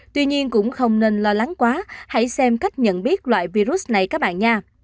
tuy nhiên cũng không nên lo lắng quá hãy xem cách nhận biết loại virus này các bạn nha